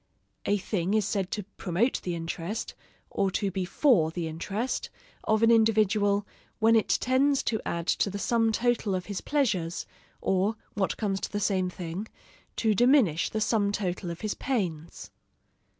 A thing is said to promote the interest, or to be for the interest, of an individual, when it tends to add to the sum total of his pleasures: or, what comes to the same thing, to diminish the sum total of his pains.